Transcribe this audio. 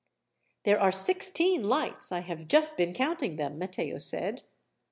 "There are sixteen lights, I have just been counting them," Matteo said.